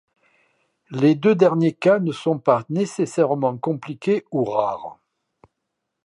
Les deux derniers cas ne sont pas nécessairement compliqués ou rares.